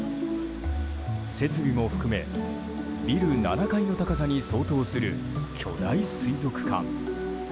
設備も含めビル７階の高さに相当する巨大水族館。